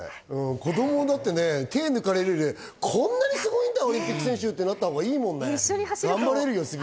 子供も手を抜かれるよりこんなにすごいんだ、オリンピック選手ってなったほうがいいもん。